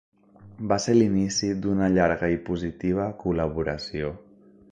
Va ser l'inici d'una llarga i positiva col·laboració.